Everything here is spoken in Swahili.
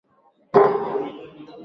majukumu je wanayo majukumu yakutosha